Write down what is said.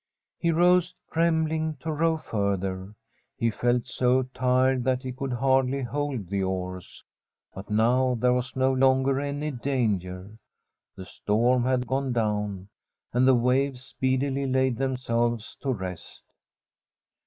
He rose, trembling to row further. He felt so tired that he could hardly hold the oars. But now there was no longer any danger. The storm had gone down, and the waves speedily laid them selves to rest.